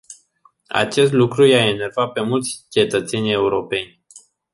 Acest lucru i-a enervat pe mulți cetățeni europeni.